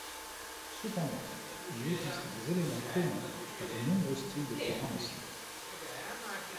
Cependant, il existe des éléments communs à de nombreux styles de programmation.